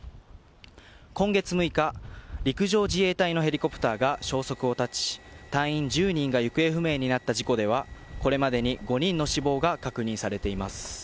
今月６日陸上自衛隊のヘリコプターが消息を絶ち隊員１０人が行方不明になった事故ではこれまでに５人の死亡が確認されています。